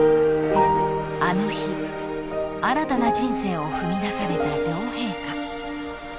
［あの日新たな人生を踏み出された両陛下］